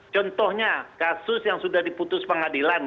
contohnya kasus yang sudah diputus pengadilan